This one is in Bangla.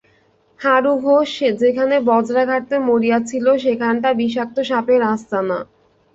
হারু ঘোষ যেখানে বজ্রাঘাতে মরিয়াছিল, সেখানটা বিষাক্ত সাপের আস্তানা।